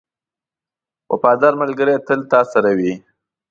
• وفادار ملګری تل تا سره وي.